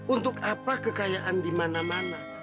untuk apa kekayaan di mana mana